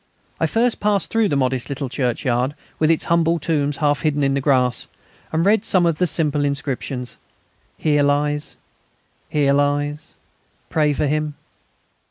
I first passed through the modest little churchyard, with its humble tombs half hidden in the grass, and read some of the simple inscriptions: "Here lies ... Here lies ... Pray for him...."